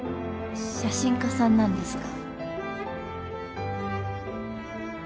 写真家さんなんですか？